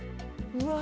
うわ！